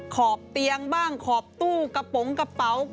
ขอบเตียงบ้างขอบตู้กระป๋องกระเป๋า